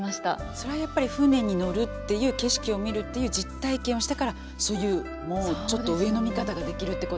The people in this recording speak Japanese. それはやっぱり船に乗るっていう景色を見るっていう実体験をしたからそういうもうちょっと上の見方ができるってことだ。